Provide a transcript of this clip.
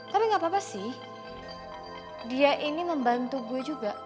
tapi gak apa apa sih dia ini membantu gue juga